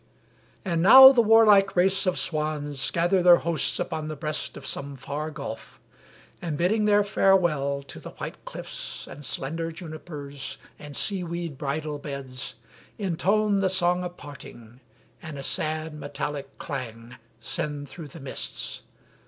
And now the warlike race Of swans gather their hosts upon the breast Of some far gulf, and, bidding their farewell To the white cliffs and slender junipers, And sea weed bridal beds, intone the song Of parting, and a sad metallic clang Send through the mists.